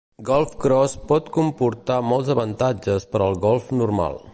GolfCross pot comportar molts avantatges per al golf normal.